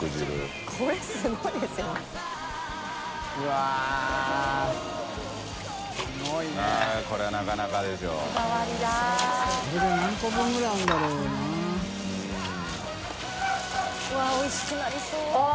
うわぁおいしくなりそう。